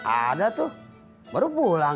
ada tuh baru pulang